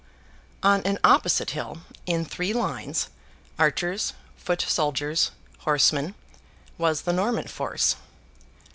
On an opposite hill, in three lines, archers, foot soldiers, horsemen, was the Norman force.